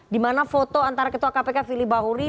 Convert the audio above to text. dimana foto antara ketua kpk fili bahuri